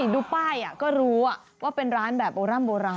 ดูป้ายก็รู้ว่าเป็นร้านแบบโบร่ำโบราณ